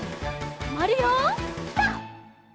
とまるよピタ！